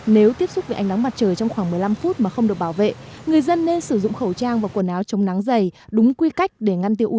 nếu tiếp xúc với ánh nắng mặt trời trong khoảng một mươi năm phút mà không được bảo vệ người dân nên sử dụng khẩu trang và quần áo chống nắng dày đúng quy cách để ngăn tiêu uv